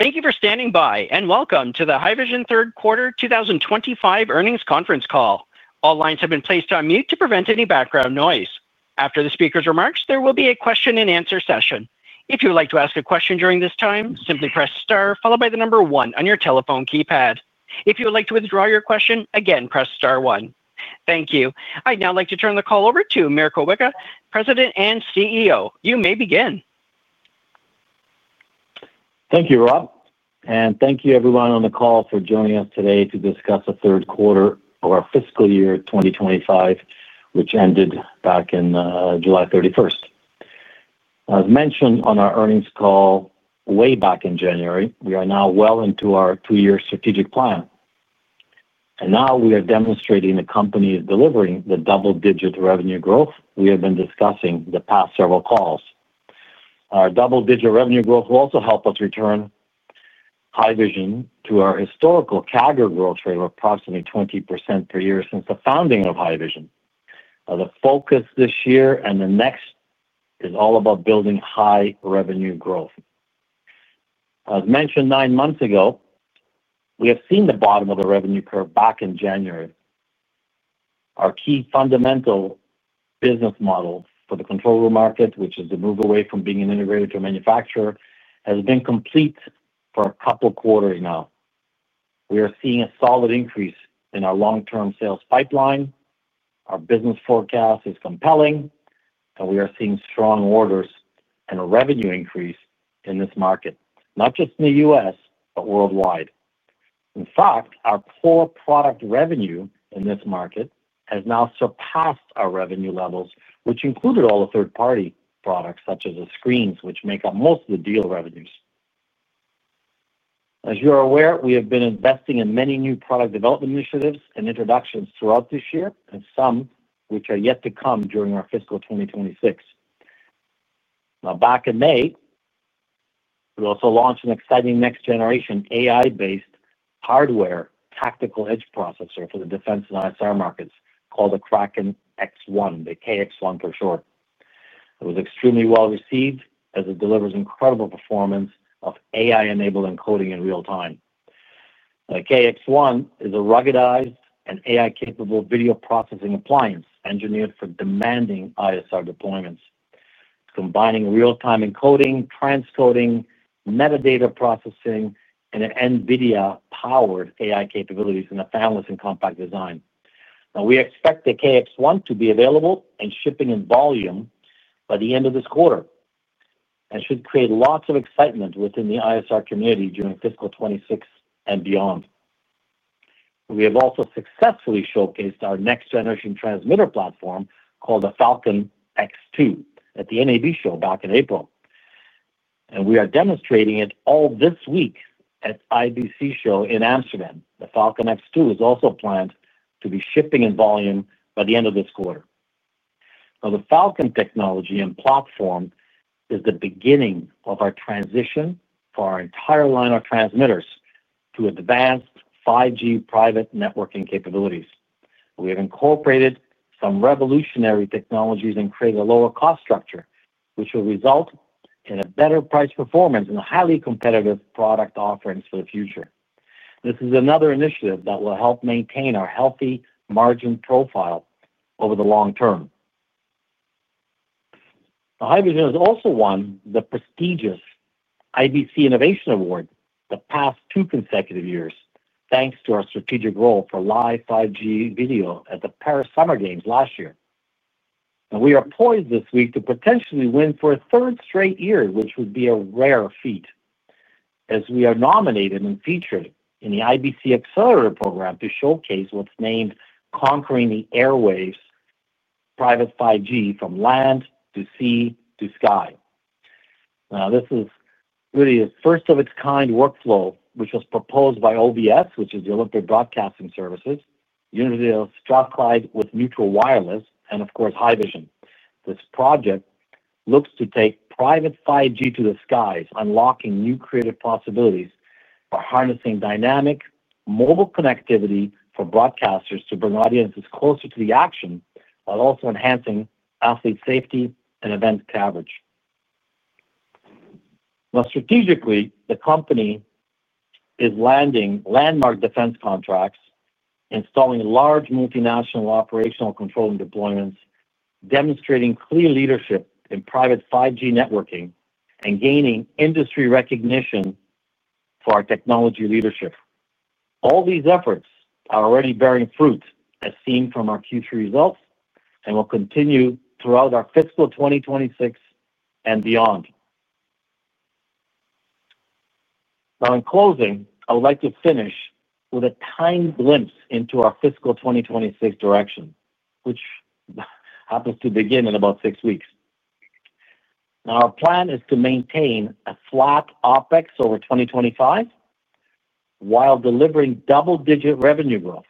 Thank you for standing by and welcome to the Haivision Third Quarter 2025 Earnings Conference Call. All lines have been placed on mute to prevent any background noise. After the speaker's remarks, there will be a question and answer session. If you would like to ask a question during this time, simply press star followed by the number one on your telephone keypad. If you would like to withdraw your question, again press star one. Thank you. I'd now like to turn the call over to Mirko Wicha, President and CEO. You may begin. Thank you, Rob, and thank you everyone on the call for joining us today to discuss the third quarter of our fiscal year 2025, which ended back on July 31. As mentioned on our earnings call way back in January, we are now well into our two-year strategic plan. We are demonstrating the company is delivering the double-digit revenue growth we have been discussing the past several calls. Our double-digit revenue growth will also help us return Haivision to our historical CAGR growth rate of approximately 20% per year since the founding of Haivision. The focus this year and the next is all about building high revenue growth. As mentioned nine months ago, we have seen the bottom of the revenue curve back in January. Our key fundamental business model for the control room market, which is to move away from being an integrator to a manufacturer, has been complete for a couple of quarters now. We are seeing a solid increase in our long-term sales pipeline. Our business forecast is compelling, and we are seeing strong orders and a revenue increase in this market, not just in the U.S. but worldwide. In fact, our core product revenue in this market has now surpassed our revenue levels, which included all the third-party products such as the screens, which make up most of the deal revenues. As you are aware, we have been investing in many new product development initiatives and introductions throughout this year, and some which are yet to come during our fiscal 2026. Back in May, we also launched an exciting next-generation AI-based hardware tactical edge processor for the defense and ISR markets called the Kraken X1, the KX1 for short. It was extremely well received as it delivers incredible performance of AI-enabled encoding in real time. The KX1 is a ruggedized and AI-capable video processing appliance engineered for demanding ISR deployments, combining real-time encoding, transcoding, metadata processing, and NVIDIA-powered AI capabilities in a fanless and compact design. We expect the KX1 to be available and shipping in volume by the end of this quarter and should create lots of excitement within the ISR community during fiscal 2026 and beyond. We have also successfully showcased our next-generation transmitter platform called the Falcon X2 at the NAB Show back in April, and we are demonstrating it all this week at IBC Show in Amsterdam. The Falcon X2 is also planned to be shipping in volume by the end of this quarter. Now, the Falcon technology and platform is the beginning of our transition for our entire line of transmitters to advanced 5G private networking capabilities. We have incorporated some revolutionary technologies and created a lower cost structure, which will result in a better price performance and highly competitive product offerings for the future. This is another initiative that will help maintain our healthy margin profile over the long term. Haivision has also won the prestigious IBC Innovation Award the past two consecutive years, thanks to our strategic role for live 5G video at the Paris Summer Games last year. We are poised this week to potentially win for a third straight year, which would be a rare feat as we are nominated and featured in the IBC Accelerator program to showcase what's named Conquering the Airwaves Private 5G from land to sea to sky. This is really the first of its kind workflow, which was proposed by OBS, which is your look at broadcasting services, Universal Satellite with neutral wireless, and of course, Haivision. This project looks to take private 5G to the skies, unlocking new creative possibilities for harnessing dynamic mobile connectivity for broadcasters to bring audiences closer to the action, while also enhancing athlete safety and event coverage. Strategically, the company is landing landmark defense contracts, installing large multinational operational control deployments, demonstrating clean leadership in private 5G networking, and gaining industry recognition for our technology leadership. All these efforts are already bearing fruit, as seen from our Q3 results, and will continue throughout our fiscal 2026 and beyond. In closing, I would like to finish with a kind glimpse into our fiscal 2026 direction, which happens to begin in about six weeks. Our plan is to maintain a flat OpEx over 2025 while delivering double-digit revenue growth.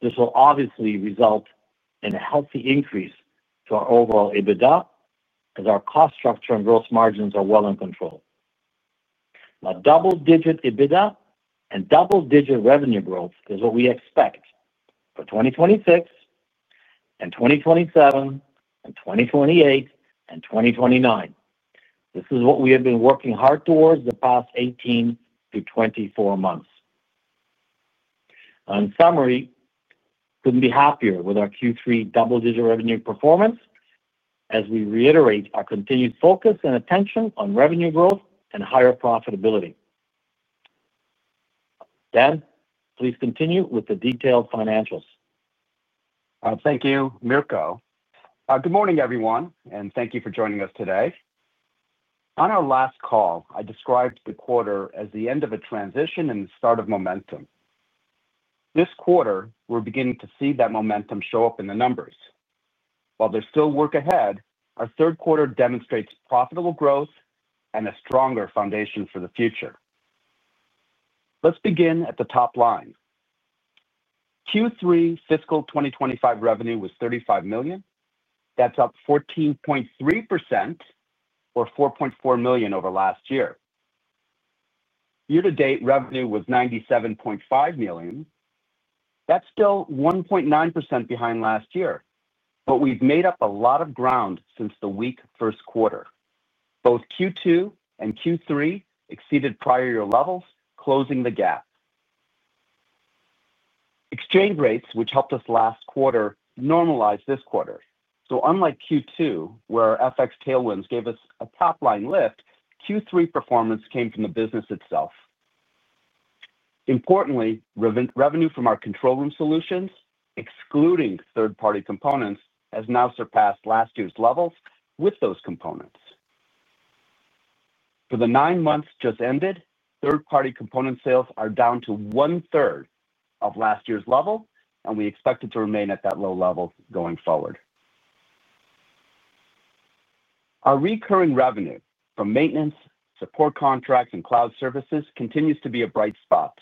This will obviously result in a healthy increase to our overall EBITDA as our cost structure and gross margins are well in control. Double-digit EBITDA and double-digit revenue growth is what we expect for 2026 and 2027 and 2028 and 2029. This is what we have been working hard towards the past 18 to 24 months. In summary, I couldn't be happier with our Q3 double-digit revenue performance as we reiterate our continued focus and attention on revenue growth and higher profitability. Dan, please continue with the detailed financials. Thank you, Mirko. Good morning, everyone, and thank you for joining us today. On our last call, I described the quarter as the end of a transition and the start of momentum. This quarter, we're beginning to see that momentum show up in the numbers. While there's still work ahead, our third quarter demonstrates profitable growth and a stronger foundation for the future. Let's begin at the top line. Q3 fiscal 2025 revenue was $35 million. That's up 14.3% or $4.4 million over last year. Year-to-date revenue was $97.5 million. That's still 1.9% behind last year, but we've made up a lot of ground since the weak first quarter. Both Q2 and Q3 exceeded prior year levels, closing the gap. Exchange rates, which helped us last quarter, normalized this quarter. Unlike Q2, where our FX tailwinds gave us a top-line lift, Q3 performance came from the business itself. Importantly, revenue from our control room solutions, excluding third-party components, has now surpassed last year's levels with those components. For the nine months just ended, third-party component sales are down to one-third of last year's level, and we expect it to remain at that low level going forward. Our recurring revenue from maintenance, support contracts, and cloud services continues to be a bright spot.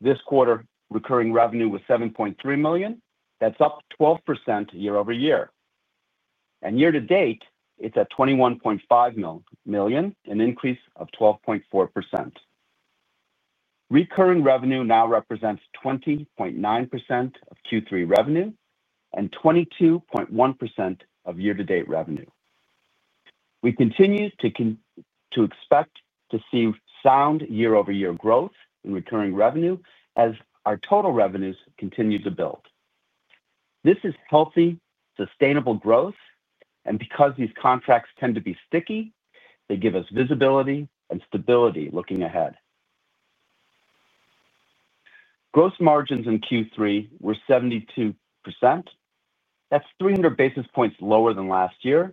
This quarter, recurring revenue was $7.3 million. That's up 12% year over year. Year to date, it's at $21.5 million, an increase of 12.4%. Recurring revenue now represents 20.9% of Q3 revenue and 22.1% of year-to-date revenue. We continue to expect to see sound year-over-year growth in recurring revenue as our total revenues continue to build. This is healthy, sustainable growth, and because these contracts tend to be sticky, they give us visibility and stability looking ahead. Gross margins in Q3 were 72%. That's 300 basis points lower than last year.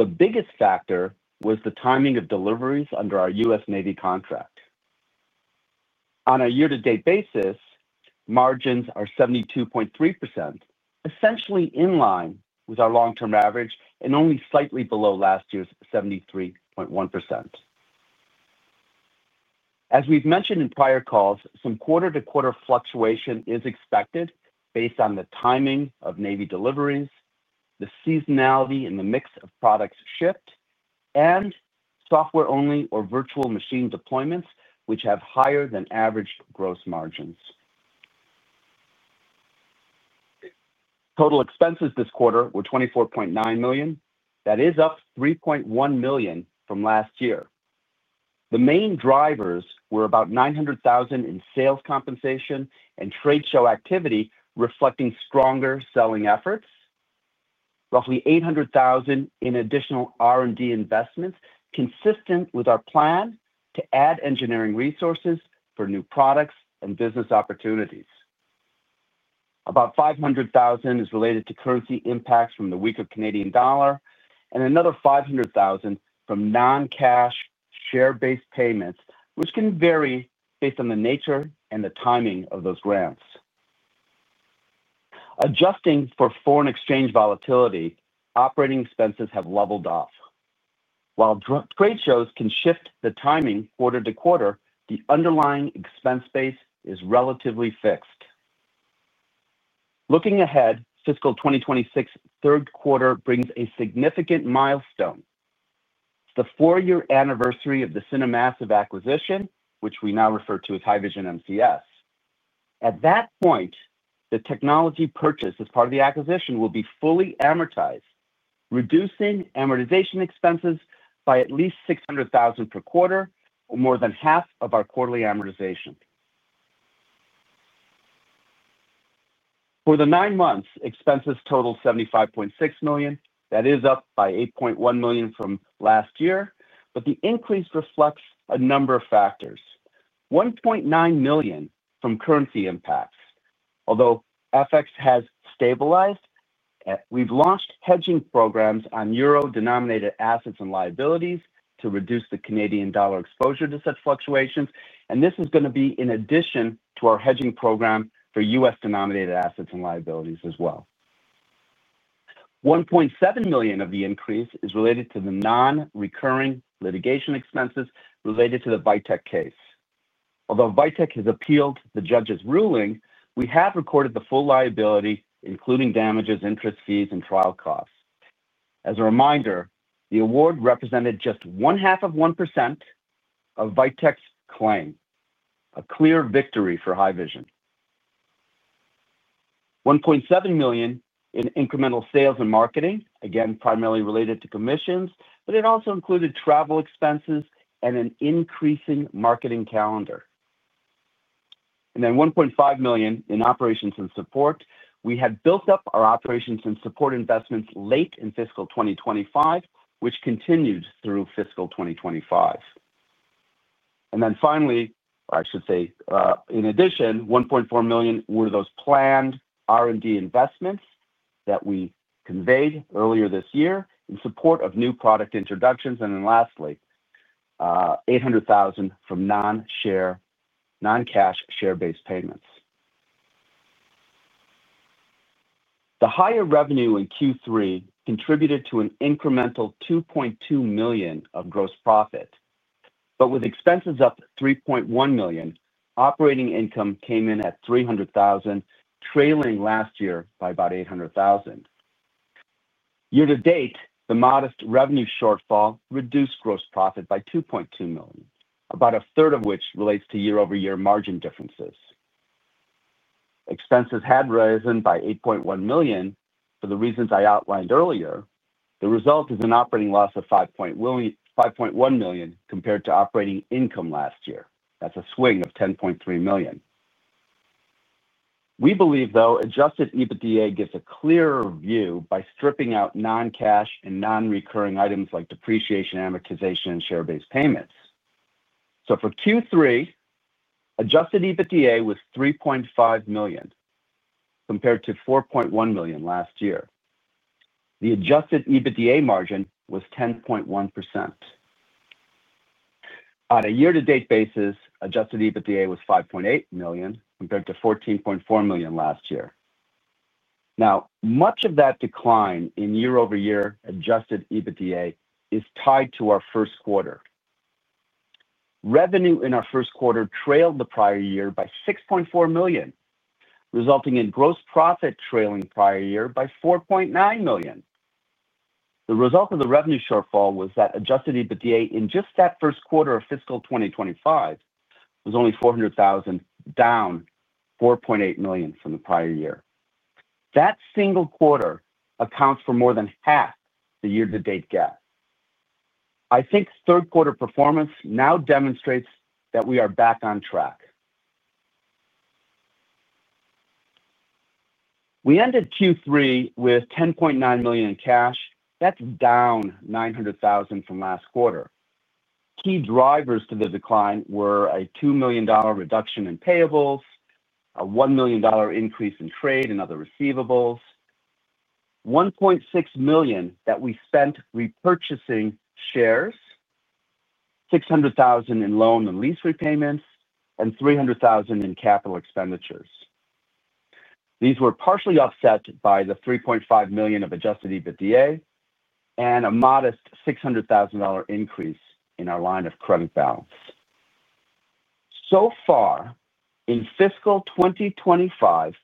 The biggest factor was the timing of deliveries under our U.S. Navy contract. On a year-to-date basis, margins are 72.3%, essentially in line with our long-term average and only slightly below last year's 73.1%. As we've mentioned in prior calls, some quarter-to-quarter fluctuation is expected based on the timing of U.S. Navy deliveries, the seasonality in the mix of products shipped, and software-only or virtual machine deployments, which have higher than average gross margins. Total expenses this quarter were $24.9 million. That is up $3.1 million from last year. The main drivers were about $900,000 in sales compensation and trade show activity, reflecting stronger selling efforts, roughly $800,000 in additional R&D investments, consistent with our plan to add engineering resources for new products and business opportunities. About $500,000 is related to currency impacts from the weaker Canadian dollar, and another $500,000 from non-cash share-based payments, which can vary based on the nature and the timing of those grants. Adjusting for foreign exchange volatility, operating expenses have leveled off. While trade shows can shift the timing quarter to quarter, the underlying expense base is relatively fixed. Looking ahead, fiscal 2026 third quarter brings a significant milestone: the four-year anniversary of the Cinemassive acquisition, which we now refer to as Haivision MCS. At that point, the technology purchased as part of the acquisition will be fully amortized, reducing amortization expenses by at least $600,000 per quarter or more than half of our quarterly amortization. For the nine months, expenses total $75.6 million. That is up by $8.1 million from last year, but the increase reflects a number of factors. $1.9 million from currency impacts. Although FX has stabilized, we've launched hedging programs on euro-denominated assets and liabilities to reduce the Canadian dollar exposure to such fluctuations, and this is going to be in addition to our hedging program for U.S. denominated assets and liabilities as well. $1.7 million of the increase is related to the non-recurring litigation expenses related to the Vitech case. Although Vitech has appealed the judge's ruling, we have recorded the full liability, including damages, interest fees, and trial costs. As a reminder, the award represented just one half of 1% of Vitech's claim, a clear victory for Haivision. $1.7 million in incremental sales and marketing, again primarily related to commissions, but it also included travel expenses and an increasing marketing calendar. $1.5 million in operations and support. We had built up our operations and support investments late in fiscal 2025, which continued through fiscal 2025. In addition, $1.4 million were those planned R&D investments that we conveyed earlier this year in support of new product introductions. Lastly, $800,000 from non-cash share-based payments. The higher revenue in Q3 contributed to an incremental $2.2 million of gross profit, but with expenses up $3.1 million, operating income came in at $300,000, trailing last year by about $800,000. Year to date, the modest revenue shortfall reduced gross profit by $2.2 million, about a third of which relates to year-over-year margin differences. Expenses had risen by $8.1 million for the reasons I outlined earlier. The result is an operating loss of $5.1 million compared to operating income last year. That's a swing of $10.3 million. We believe, though, adjusted EBITDA gives a clearer view by stripping out non-cash and non-recurring items like depreciation, amortization, and share-based payments. For Q3, adjusted EBITDA was $3.5 million compared to $4.1 million last year. The adjusted EBITDA margin was 10.1%. On a year-to-date basis, adjusted EBITDA was $5.8 million compared to $14.4 million last year. Much of that decline in year-over-year adjusted EBITDA is tied to our first quarter. Revenue in our first quarter trailed the prior year by $6.4 million, resulting in gross profit trailing prior year by $4.9 million. The result of the revenue shortfall was that adjusted EBITDA in just that first quarter of fiscal 2025 was only $400,000, down $4.8 million from the prior year. That single quarter accounts for more than half the year-to-date gap. I think third quarter performance now demonstrates that we are back on track. We ended Q3 with $10.9 million in cash. That's down $900,000 from last quarter. Key drivers to the decline were a $2 million reduction in payables, a $1 million increase in trade and other receivables, $1.6 million that we spent repurchasing shares, $600,000 in loan and lease repayments, and $300,000 in capital expenditures. These were partially offset by the $3.5 million of adjusted EBITDA and a modest $600,000 increase in our line of credit balance. In fiscal 2025,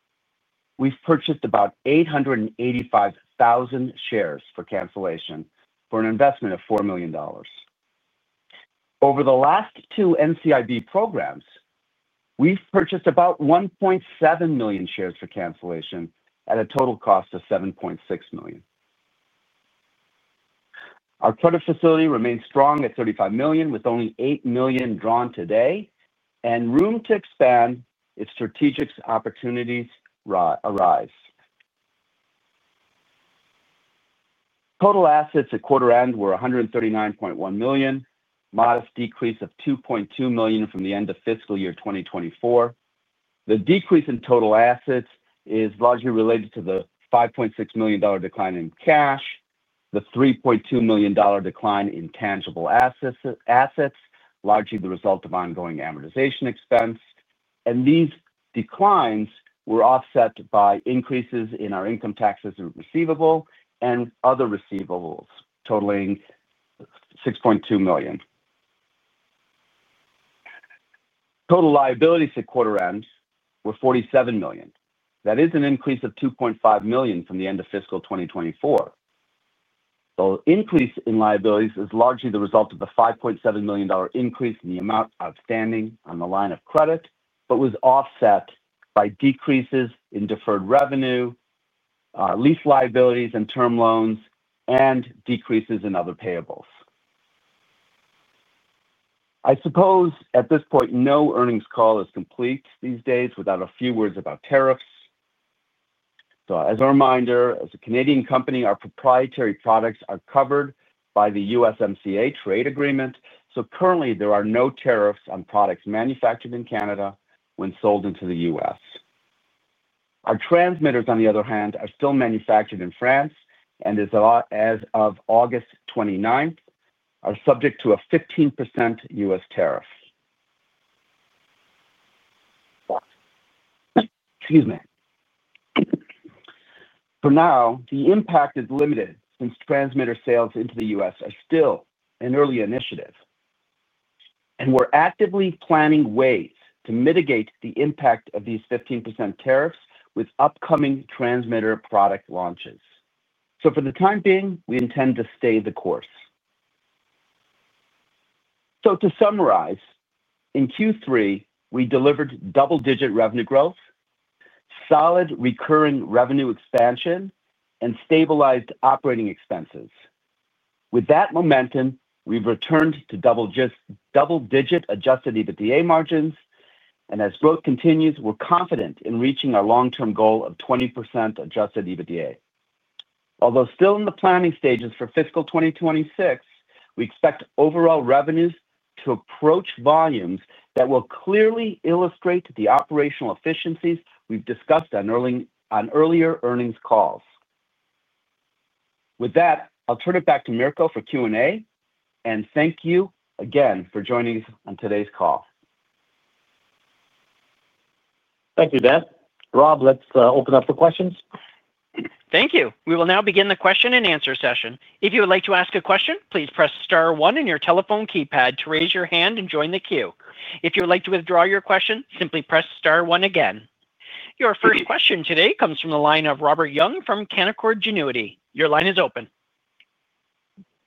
we've purchased about 885,000 shares for cancellation for an investment of $4 million. Over the last two NCIB programs, we've purchased about 1.7 million shares for cancellation at a total cost of $7.6 million. Our charter facility remains strong at $35 million, with only $8 million drawn today and room to expand if strategic opportunities arise. Total assets at quarter end were $139.1 million, a modest decrease of $2.2 million from the end of fiscal year 2024. The decrease in total assets is largely related to the $5.6 million decline in cash, the $3.2 million decline in tangible assets, largely the result of ongoing amortization expense. These declines were offset by increases in our income taxes and receivable and other receivables, totaling $6.2 million. Total liabilities at quarter end were $47 million. That is an increase of $2.5 million from the end of fiscal 2024. The increase in liabilities is largely the result of the $5.7 million increase in the amount outstanding on the line of credit, but was offset by decreases in deferred revenue, lease liabilities and term loans, and decreases in other payables. I suppose at this point, no earnings call is complete these days without a few words about tariffs. As a reminder, as a Canadian company, our proprietary products are covered by the USMCA trade agreement. Currently, there are no tariffs on products manufactured in Canada when sold into the U.S. Our transmitters, on the other hand, are still manufactured in France and, as of August 29, are subject to a 15% U.S. tariff. Excuse me. For now, the impact is limited since transmitter sales into the U.S. are still an early initiative, and we're actively planning ways to mitigate the impact of these 15% tariffs with upcoming transmitter product launches. For the time being, we intend to stay the course. To summarize, in Q3, we delivered double-digit revenue growth, solid recurring revenue expansion, and stabilized operating expenses. With that momentum, we've returned to double-digit adjusted EBITDA margins, and as growth continues, we're confident in reaching our long-term goal of 20% adjusted EBITDA. Although still in the planning stages for fiscal 2026, we expect overall revenues to approach volumes that will clearly illustrate the operational efficiencies we've discussed on earlier earnings calls. With that, I'll turn it back to Mirko for Q&A, and thank you again for joining us on today's call. Thank you, Dan. Rob, let's open up the questions. Thank you. We will now begin the question and answer session. If you would like to ask a question, please press star one on your telephone keypad to raise your hand and join the queue. If you would like to withdraw your question, simply press star one again. Your first question today comes from the line of Robert Young from Canaccord Genuity. Your line is open.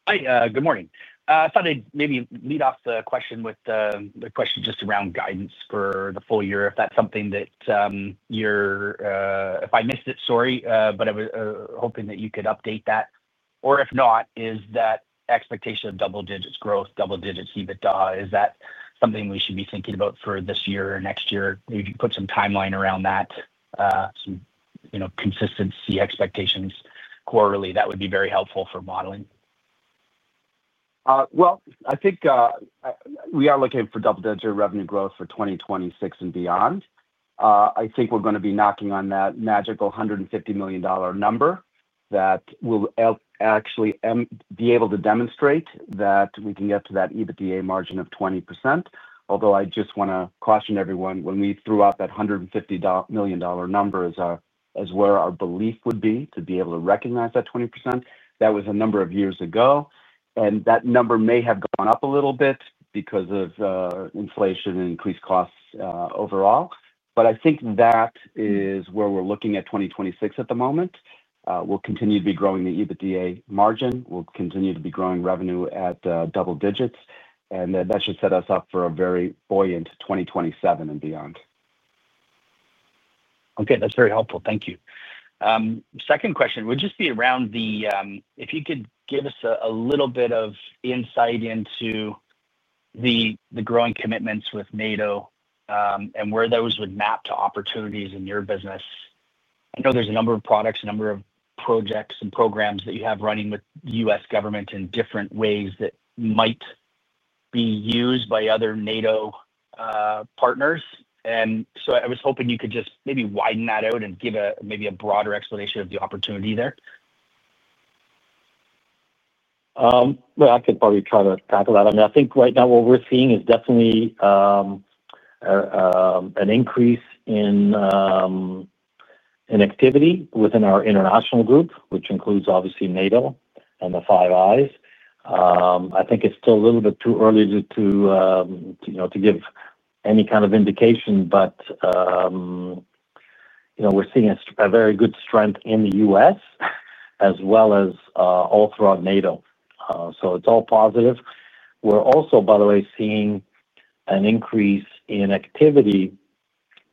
Hi, good morning. I thought I'd maybe lead off the question with the question just around guidance for the full year. If that's something that you're, if I missed it, sorry, but I was hoping that you could update that. If not, is that expectation of double-digit growth, double-digit EBITDA, is that something we should be thinking about for this year or next year? Maybe you can put some timeline around that, some consistency expectations quarterly, that would be very helpful for modeling. I think we are looking for double-digit revenue growth for 2026 and beyond. I think we're going to be knocking on that magical $150 million number that will actually be able to demonstrate that we can get to that EBITDA margin of 20%. Although I just want to caution everyone, when we threw out that $150 million number as our, as where our belief would be to be able to recognize that 20%, that was a number of years ago, and that number may have gone up a little bit because of inflation and increased costs overall. I think that is where we're looking at 2026 at the moment. We'll continue to be growing the EBITDA margin. We'll continue to be growing revenue at double digits, and that should set us up for a very buoyant 2027 and beyond. Okay, that's very helpful. Thank you. Second question would just be around the, if you could give us a little bit of insight into the growing commitments with NATO and where those would map to opportunities in your business. I know there's a number of products, a number of projects and programs that you have running with the U.S. government in different ways that might be used by other NATO partners. I was hoping you could just maybe widen that out and give a maybe a broader explanation of the opportunity there. I could probably try to tackle that. I think right now what we're seeing is definitely an increase in activity within our international group, which includes obviously NATO and the Five Eyes. I think it's still a little bit too early to give any kind of indication, but we're seeing a very good strength in the U.S. as well as all throughout NATO. It's all positive. We're also, by the way, seeing an increase in activity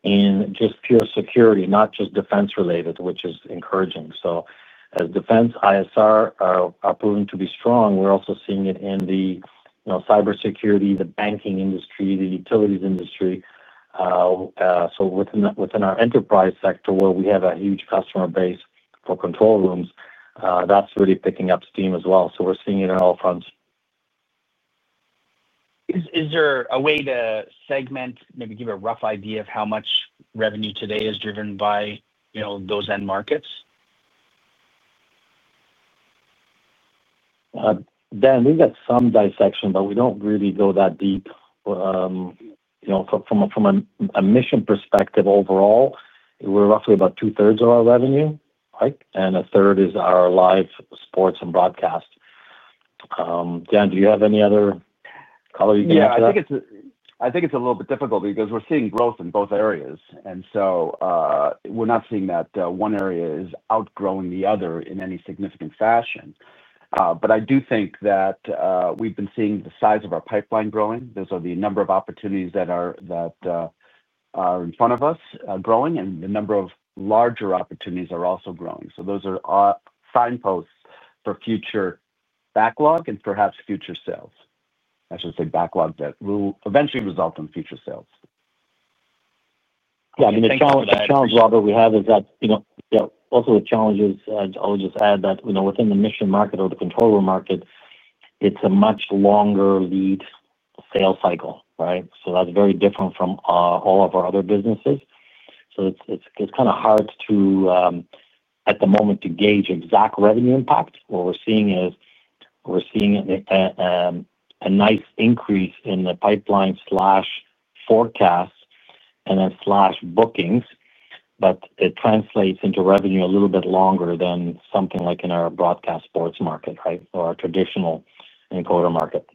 in just pure security, not just defense related, which is encouraging. As defense and ISR are proven to be strong, we're also seeing it in the cybersecurity, the banking industry, the utilities industry. Within our enterprise sector, where we have a huge customer base for control rooms, that's really picking up steam as well. We're seeing it on all fronts. Is there a way to segment, maybe give a rough idea of how much revenue today is driven by those end markets? Dan, we've got some dissection, but we don't really go that deep. You know, from a mission perspective overall, we're roughly about two-thirds of our revenue, right? And a third is our live sports and broadcast. Dan, do you have any other color you can add to that? Yeah. I think it's a little bit difficult because we're seeing growth in both areas, and we're not seeing that one area is outgrowing the other in any significant fashion. I do think that we've been seeing the size of our pipeline growing. These are the number of opportunities that are in front of us growing, and the number of larger opportunities are also growing. Those are signposts for future backlog and perhaps future sales. I should say backlog that will eventually result in future sales. Yeah, I mean, the challenge, Rob, that we have is that, you know, also the challenge is, I would just add that, you know, within the mission market or the control room market, it's a much longer lead sales cycle, right? That's very different from all of our other businesses. It's kind of hard to, at the moment, gauge exact revenue impact. What we're seeing is we're seeing a nice increase in the pipeline/forecast and then/bookings, but it translates into revenue a little bit longer than something like in our broadcast sports market or our traditional encoder market.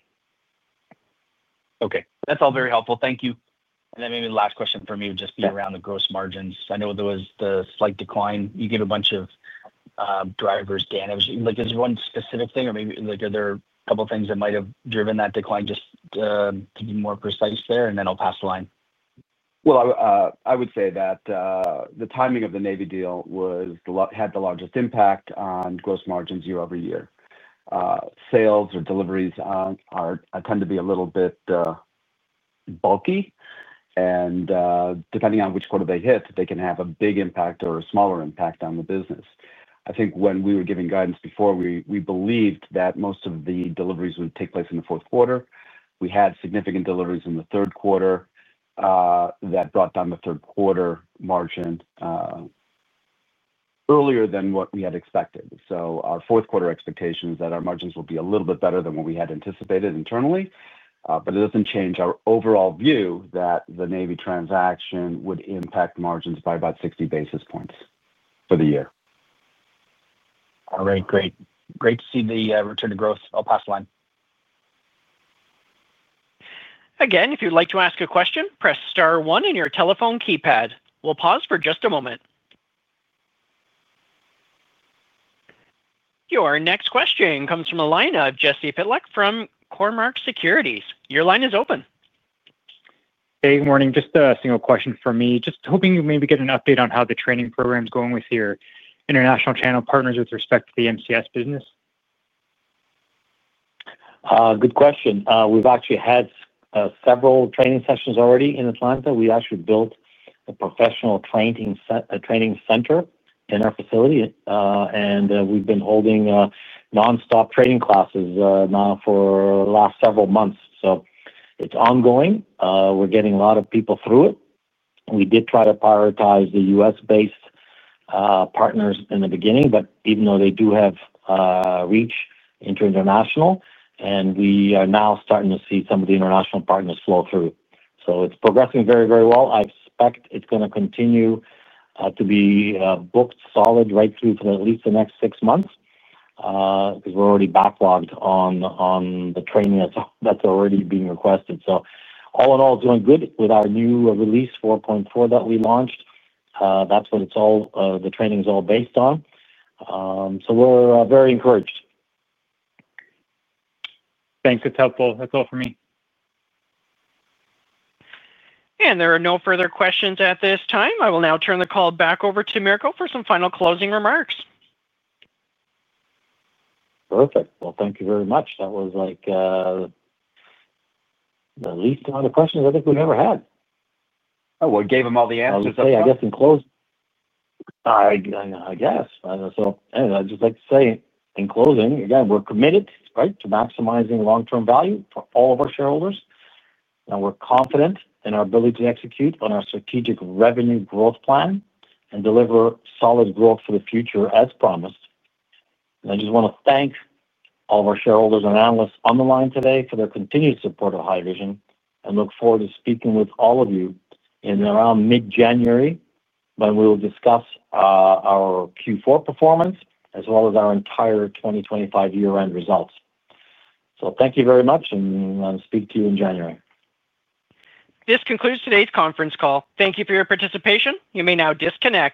Okay, that's all very helpful. Thank you. Maybe the last question from me would just be around the gross margins. I know there was the slight decline. You gave a bunch of drivers, Dan. Is there one specific thing or maybe, like, are there a couple of things that might have driven that decline just to be more precise there? Then I'll pass the line. I would say that the timing of the U.S. Navy deal had the largest impact on gross margins year over year. Sales or deliveries tend to be a little bit bulky, and depending on which quarter they hit, they can have a big impact or a smaller impact on the business. I think when we were giving guidance before, we believed that most of the deliveries would take place in the fourth quarter. We had significant deliveries in the third quarter that brought down the third quarter margin earlier than what we had expected. Our fourth quarter expectation is that our margins will be a little bit better than what we had anticipated internally, but it doesn't change our overall view that the U.S. Navy transaction would impact margins by about 60 basis points for the year. All right, great. Great to see the return to growth. I'll pass the line. Again, if you'd like to ask a question, press star one on your telephone keypad. We'll pause for just a moment. Your next question comes from the line of Jesse Pitlock from Cormark Securities. Your line is open. Hey, good morning. Just a single question from me. Just hoping you maybe get an update on how the training program is going with your international channel partners with respect to the Haivision MCS business. Good question. We've actually had several training sessions already in Atlanta. We actually built a professional training center in our facility, and we've been holding nonstop training classes now for the last several months. It's ongoing. We're getting a lot of people through it. We did try to prioritize the U.S.-based partners in the beginning, but even though they do have reach into international, we are now starting to see some of the international partners flow through. It's progressing very, very well. I expect it's going to continue to be booked solid right through to at least the next six months because we're already backlogged on the training that's already being requested. All in all, doing good with our new release, 4.4 that we launched. That's what all the training is based on. We're very encouraged. Thanks. That's helpful. That's all for me. There are no further questions at this time. I will now turn the call back over to Mirko for some final closing remarks. Perfect. Thank you very much. That was like the least amount of questions I think we've ever had. Oh, we gave them all the answers. In closing, I'd just like to say we're committed to maximizing long-term value for all of our shareholders. We're confident in our ability to execute on our strategic revenue growth plan and deliver solid growth for the future as promised. I just want to thank all of our shareholders and analysts on the line today for their continued support of Haivision and look forward to speaking with all of you in around mid-January, when we'll discuss our Q4 performance as well as our entire 2025 year-end results. Thank you very much, and I'll speak to you in January. This concludes today's conference call. Thank you for your participation. You may now disconnect.